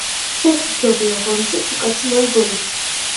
ხერხი ჯობია ღონესა თუ კაცი მოიგონებსა.